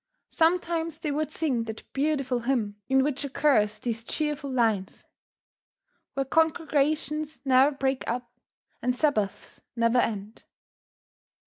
Sometimes they would sing that beautiful hymn in which occurs these cheerful lines: "Where congregations ne'er break up, And Sabbaths never end."